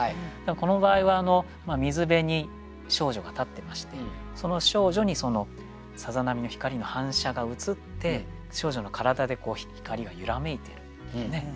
この場合は水辺に少女が立ってましてその少女にそのさざ波の光の反射が映って少女の体で光が揺らめいているっていうね。